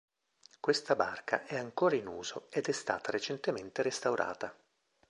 Questa barca è ancora in uso ed è stata recentemente restaurata.